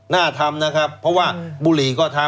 น่าทำนะครับเพราะว่าบุหรี่ก็ทำ